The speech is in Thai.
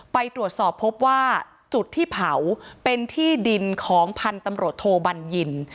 ไปตรวจสอบพบว่าจุดที่เผาเป็นที่ดินของพันธุ์ตำรวจโทบัญญิน